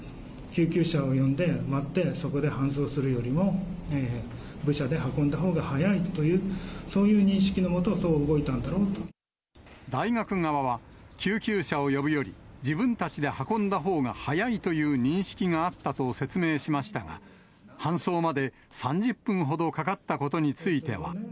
救急車を呼んで、待って、そこで搬送するよりも、部車で運んだほうが早いと、そういう認識の下、そう動いたの大学側は、救急車を呼ぶより、自分たちで運んだほうが早いという認識があったと説明しましたが、搬送まで３０分ほどかかったことについては。